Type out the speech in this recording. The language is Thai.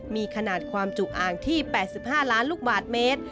มีขนาดความจุอ่างที่๘๕ล้านลูกบาทเมตร